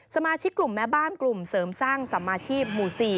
สมาชิกกลุ่มแม่บ้านกลุ่มเสริมสร้างสัมมาชีพหมู่๔